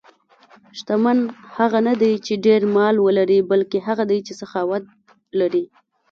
شتمن هغه نه دی چې ډېر مال ولري، بلکې هغه دی چې سخاوت لري.